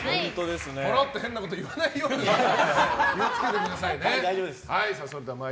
ぽろっと変なことを言わないように気を付けてくださいね。